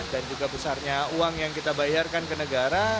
dan juga besarnya uang yang kita bayarkan ke negara